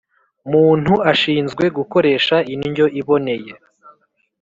muntu ashinzwe gukoresha indyo iboneye